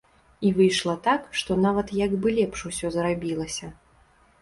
І выйшла так, што нават як бы лепш усё зрабілася.